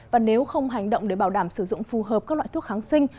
và nếu không hành động để bảo đảm sử dụng phù hợp các loại thuốc kháng sinh